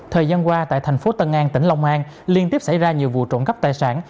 thời gian qua tại thành phố tân an tỉnh long an liên tiếp xảy ra nhiều vụ trộm cắp tài sản